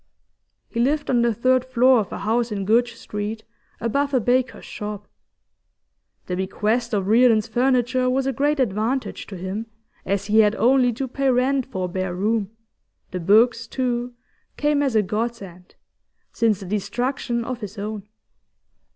He lived on the third floor of a house in Goodge Street, above a baker's shop. The bequest of Reardon's furniture was a great advantage to him, as he had only to pay rent for a bare room; the books, too, came as a godsend, since the destruction of his own.